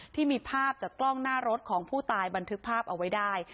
ที่มีภาพจากกล้องหน้ารถของผู้ตายบันทึกภาพเอาไว้ได้